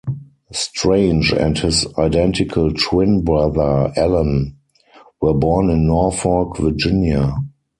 Strange and his identical twin brother, Allan, were born in Norfolk, Virginia.